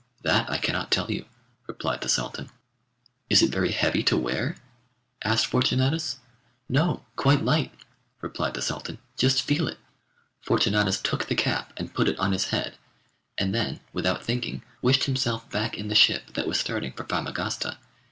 'That I cannot tell you,' replied the Sultan. 'Is it very heavy to wear?' asked Fortunatus. 'No, quite light,' replied the Sultan, 'just feel it.' Fortunatus took the cap and put it on his head, and then, without thinking, wished himself back in the ship that was starting for Famagosta.